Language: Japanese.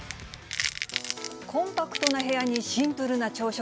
コンパクトな部屋にシンプルな朝食。